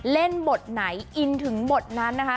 เล่นบทไหนอินถึงบทนั้นนะคะ